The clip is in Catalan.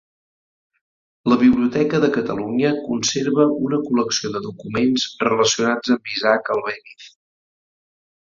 La Biblioteca de Catalunya conserva una col·lecció de documents relacionats amb Isaac Albéniz.